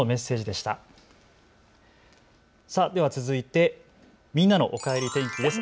では続いてみんなのおかえり天気です。